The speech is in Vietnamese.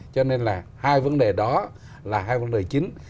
cho nên là hai vấn đề đó là hai vấn đề chính